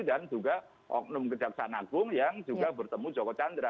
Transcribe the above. dan juga oknum ke jaksaan agung yang juga bertemu joko chandra